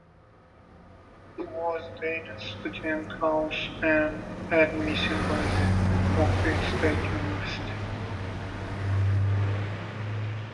She was denied student housing and admission by The Ohio State University.